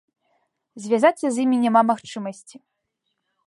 Звязацца з імі няма магчымасці.